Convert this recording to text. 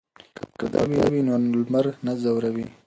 که پرده وي نو لمر نه ځوروي.